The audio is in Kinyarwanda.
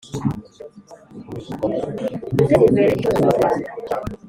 guteza imbere ishoramari mu Rwanda